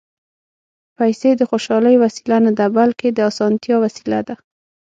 پېسې د خوشالۍ وسیله نه ده، بلکې د اسانتیا وسیله ده.